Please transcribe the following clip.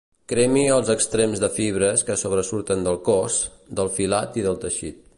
Cremi els extrems de fibres que sobresurten del cos, del filat i del teixit.